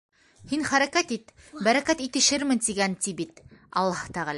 Һин хәрәкәт ит, бәрәкәт итешермен, тигән ти бит Аллаһ тәғәлә!